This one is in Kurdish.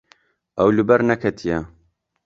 Ew li ber neketiye.